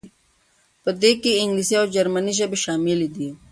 په دې کې انګلیسي او جرمني ژبې شاملې دي.